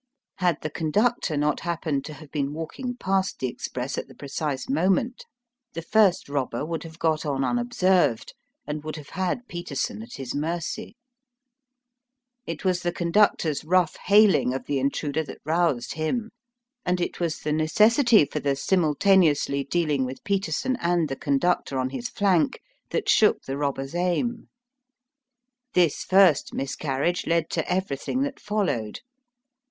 Had the con ductor not happened to have been walking past the express at the precise moment, the first robber would have got on unobserved, and would have had Peterson at his mercy. It was the conductor's rough hailing of the intruder that roused him, and it was the necessity for the simultaneously dealing with Digitized by VjOOQIC LIFE AND DEATH IN THE FAB WEST. 67 Peterson and the conductor on his flank that shook the robber's aim. This first miscarriage led to everything that followed.